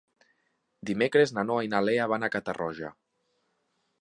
Dimecres na Noa i na Lea van a Catarroja.